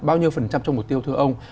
bao nhiêu phần trăm trong mục tiêu thưa ông